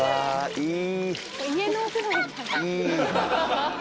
いい。